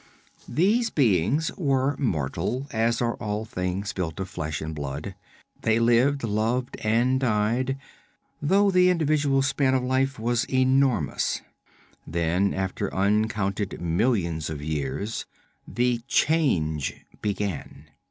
These beings were mortal, as are all things built of flesh and blood. They lived, loved and died, though the individual span of life was enormous. Then, after uncounted millions of years, the Change began.